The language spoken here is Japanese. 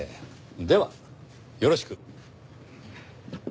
ではよろしく。